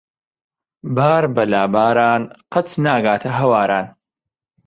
بار بە لاباران قەت ناگاتە ھەواران.